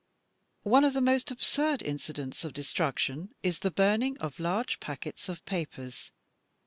One of the most absurd incidents of destruction is the burning of large packets of papers.